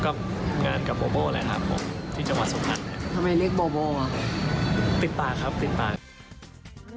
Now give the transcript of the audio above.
แล้วก็งานกับโบโบนะครับที่จังหวะสกนั่น